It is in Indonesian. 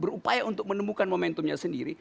berupaya untuk menemukan momentumnya sendiri